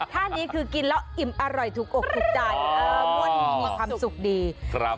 ท่านี้คือกินแล้วอิ่มอร่อยถูกอกถูกใจมั่วดีมีความสุขดีครับ